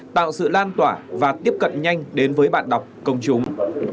tạo sự lan tỏa và tiếp cận nhanh đến với bạn đọc công chúng